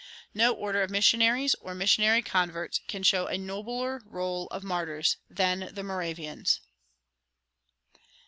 No order of missionaries or missionary converts can show a nobler roll of martyrs than the Moravians.